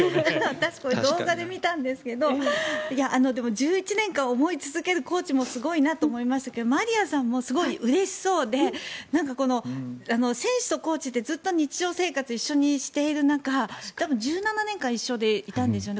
私、これ動画で見たんですが１１年間思い続けるコーチもすごいなと思いましたけどマリアさんもすごいうれしそうで選手とコーチって日常生活を一緒にしている中１７年間一緒にいたんですよね。